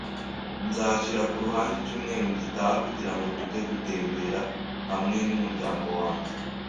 Nzashyira ku ruhande icyumweru gitaha kugirango tujye gutembera hamwe n'umuryango wanjye.